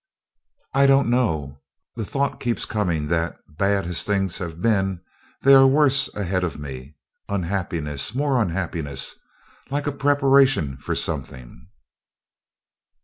"I don't know. The thought keeps coming that, bad as things have been, there are worse ahead of me unhappiness more unhappiness like a preparation for something."